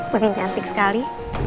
paling cantik sekali